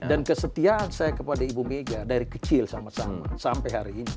dan kesetiaan saya kepada ibu mega dari kecil sama sama sampai hari ini